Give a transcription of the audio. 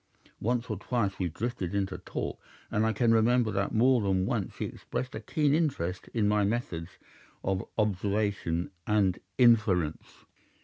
Once or twice we drifted into talk, and I can remember that more than once he expressed a keen interest in my methods of observation and inference.